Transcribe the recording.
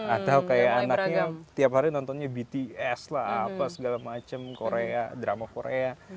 atau kayak anaknya tiap hari nontonnya bts lah apa segala macem korea drama korea